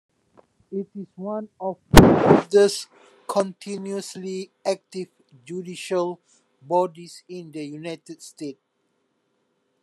It is one of the oldest continuously active judicial bodies in the United States.